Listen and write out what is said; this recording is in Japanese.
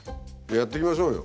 やっていきましょうよ。